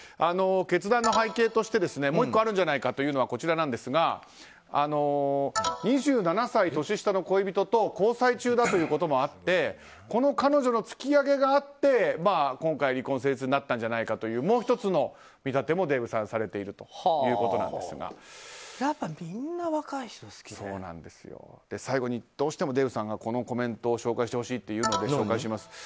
決断の背景としてもう１個あるんじゃないかというのはこちらなんですが２７歳年下の恋人と交際中だということもあってこの彼女の突き上げがあって今回、離婚成立になったんじゃないかというもう１つの見方もデーブさんされているということなんですが最後に、デーブさんがこのコメントを紹介してほしいというので紹介します。